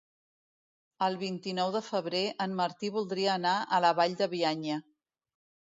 El vint-i-nou de febrer en Martí voldria anar a la Vall de Bianya.